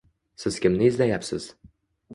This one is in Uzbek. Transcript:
Siz kimni izlayapsiz?